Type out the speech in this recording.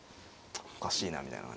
おかしいなみたいな。